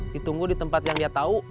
ditunggu di tempat yang dia tahu